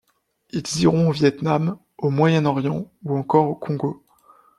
Ils iront au Vietnam, au Moyen-Orient ou encore au Congo.